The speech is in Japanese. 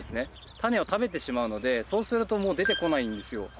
種を食べてしまうのでそうするともう出て来ないんですよ。